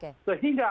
kita harus mengatakan